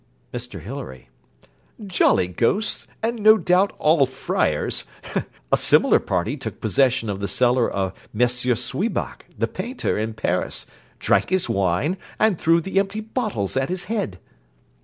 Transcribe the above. MR HILARY Jolly ghosts, and no doubt all friars. A similar party took possession of the cellar of M. Swebach, the painter, in Paris, drank his wine, and threw the empty bottles at his head.